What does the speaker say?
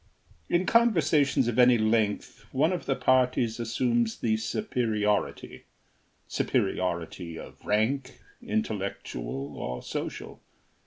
In conversations of any length one of the parties assumes the superiority superiority of rank, intellectual or social.